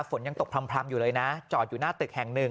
ฝนยังตกพร่ำอยู่เลยนะจอดอยู่หน้าตึกแห่งหนึ่ง